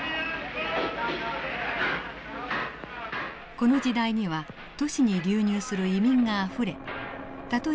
この時代には都市に流入する移民があふれたとえ